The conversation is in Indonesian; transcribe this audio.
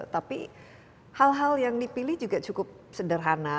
tapi hal hal yang dipilih juga cukup sederhana